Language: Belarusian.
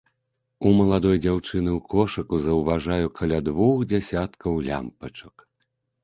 У маладой дзяўчыны ў кошыку заўважаю каля двух дзясяткаў лямпачак.